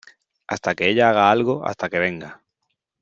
hasta que ella haga algo , hasta que venga